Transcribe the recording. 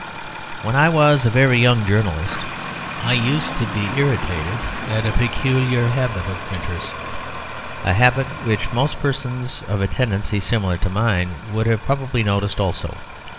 When I was a very young journalist I used to be irritated at a peculiar habit of printers, a habit which most persons of a tendency similar to mine have probably noticed also.